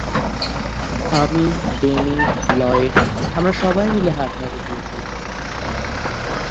আমি, Danny, Lloyd, আমরা সবাই মিলে হার্ভার্ডে গিয়েছিলাম।